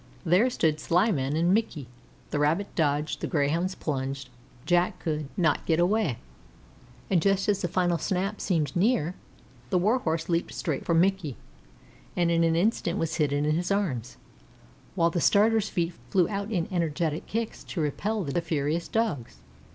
There stood Slyman and Mickey. The Rabbit dodged, the Greyhounds plunged; Jack could not get away, and just as the final snap seemed near, the Warhorse leaped straight for Mickey, and in an instant was hidden in his arms, while the starter's feet flew out in energetic kicks to repel the furious Dogs.